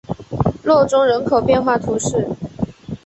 洛宗人口变化图示